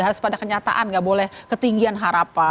harus pada kenyataan gak boleh ketinggian harapan